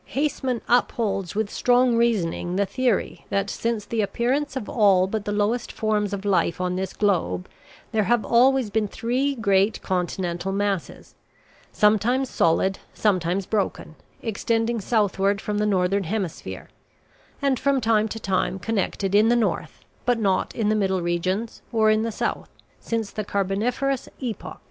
Haseman upholds with strong reasoning the theory that since the appearance of all but the lowest forms of life on this globe there have always been three great continental masses, sometimes solid sometimes broken, extending southward from the northern hemisphere, and from time to time connected in the north, but not in the middle regions or the south since the carboniferous epoch.